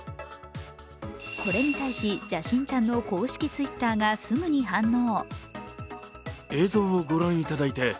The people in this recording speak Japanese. これに対し、「邪神ちゃん」の公式Ｔｗｉｔｔｅｒがすぐに反応。